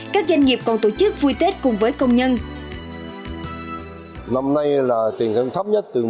các doanh nghiệp còn tổ chức vui tết cùng với công nhân